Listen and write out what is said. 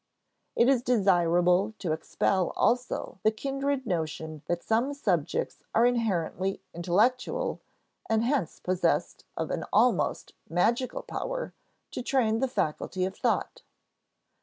It is desirable to expel also the kindred notion that some subjects are inherently "intellectual," and hence possessed of an almost magical power to train the faculty of thought.